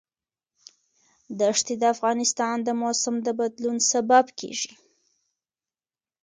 دښتې د افغانستان د موسم د بدلون سبب کېږي.